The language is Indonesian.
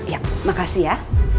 ya makasih ya